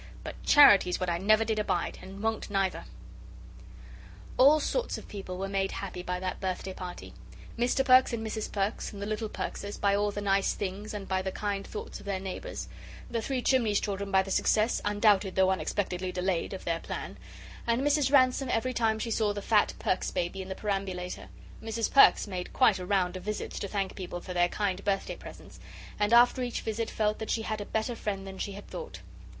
But charity's what I never did abide, and won't neither." All sorts of people were made happy by that birthday party. Mr. Perks and Mrs. Perks and the little Perkses by all the nice things and by the kind thoughts of their neighbours; the Three Chimneys children by the success, undoubted though unexpectedly delayed, of their plan; and Mrs. Ransome every time she saw the fat Perks baby in the perambulator. Mrs. Perks made quite a round of visits to thank people for their kind birthday presents, and after each visit felt that she had a better friend than she had thought.